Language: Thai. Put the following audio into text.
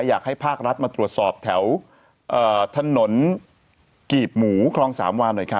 อยากให้ภาครัฐมาตรวจสอบแถวถนนกีบหมูคลองสามวานหน่อยครับ